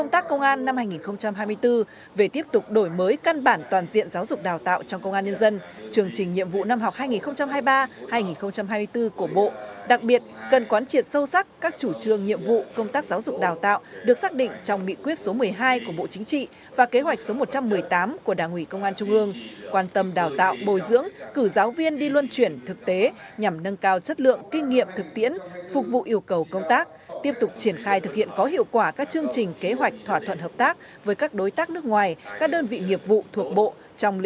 dân chương trình nhiệm vụ năm học hai nghìn hai mươi ba hai nghìn hai mươi bốn của bộ đặc biệt cần quán triệt sâu sắc các chủ trương nhiệm vụ công tác giáo dục đào tạo được xác định trong nghị quyết số một mươi hai của bộ chính trị và kế hoạch số một trăm một mươi tám của đảng ủy công an trung ương quan tâm đào tạo bồi dưỡng cử giáo viên đi luân chuyển thực tế nhằm nâng cao chất lượng kinh nghiệm thực tiễn phục vụ yêu cầu công tác tiếp tục triển khai thực hiện có hiệu quả các chương trình kế hoạch thỏa thuận hợp tác với các đối tác nước ngoài các đơn vị nghiệp vụ thuộc bộ trong l